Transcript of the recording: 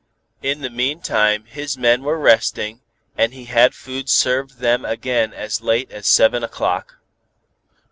In the meantime, his men were resting, and he had food served them again as late as seven o'clock.